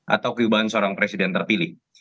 atau kerubahan seorang presiden terpilih